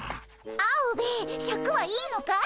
アオベエシャクはいいのかい？